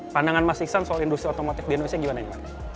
pandangan mas iksan soal industri otomotif di indonesia gimana nih